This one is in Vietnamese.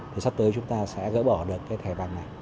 thì sắp tới chúng ta sẽ gỡ bỏ được cái thẻ vàng này